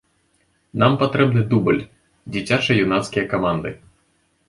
Нам патрэбны дубль, дзіцяча-юнацкія каманды.